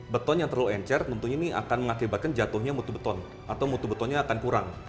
beton yang terlalu encer tentunya ini akan mengakibatkan jatuhnya mutu beton atau mutu betonnya akan kurang